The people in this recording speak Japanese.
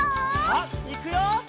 さあいくよ！